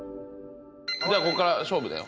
じゃあここから勝負だよ。